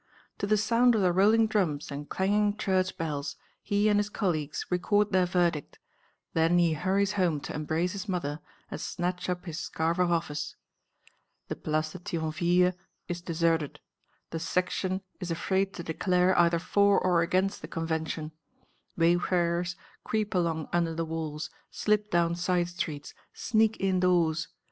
To the sound of the rolling drums and clanging church bells, he and his colleagues record their verdict; then he hurries home to embrace his mother and snatch up his scarf of office. The Place de Thionville is deserted. The Section is afraid to declare either for or against the Convention. Wayfarers creep along under the walls, slip down side streets, sneak indoors.